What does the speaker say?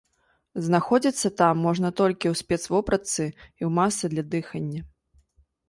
Знаходзіцца там можна толькі ў спецвопратцы і ў масцы для дыхання.